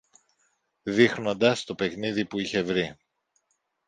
δείχνοντας το παιχνίδι που είχε βρει